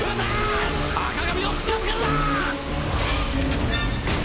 赤髪を近づけるな！